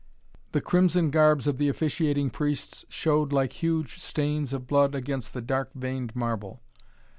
The crimson garbs of the officiating priests showed like huge stains of blood against the dark veined marble.